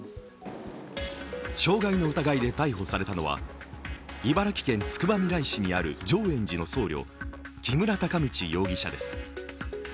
傷害の疑いで逮捕されたのは茨城県つくばみらい市にある浄円寺の僧侶、木村孝道容疑者です。